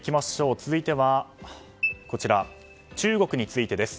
続いて、中国についてです。